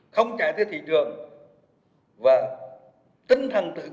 không chạy tới thị trường và tinh thần tự cường